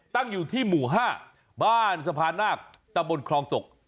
ตั้งอยู่ที่หมู่๕บ้านสะพานนาคตะบนคลองศก